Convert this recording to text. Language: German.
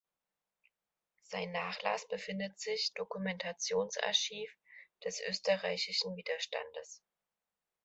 Sein Nachlass befindet sich Dokumentationsarchiv des österreichischen Widerstandes.